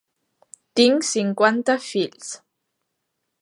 Tinc cinquanta fills.